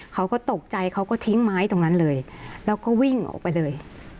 เขาก็ตกใจเขาก็ทิ้งไม้ตรงนั้นเลยแล้วก็วิ่งออกไปเลย